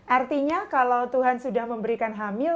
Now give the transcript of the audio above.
artinya kalau tuhan sudah memberikan hamil